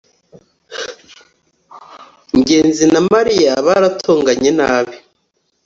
ngenzi na mariya baratonganye nabi